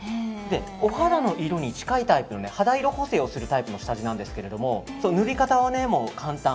お肌の色に近いタイプ肌色補正をするタイプの下地なんですけれども塗り方は簡単。